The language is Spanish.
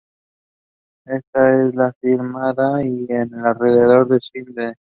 Esta es filmada en y alrededor de Sídney.